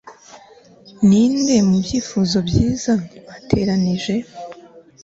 ninde, mubyifuzo byiza, mwateranije